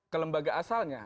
ke lembaga asalnya